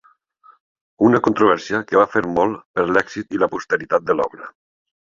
Una controvèrsia que va fer molt per l'èxit i la posteritat de l'obra.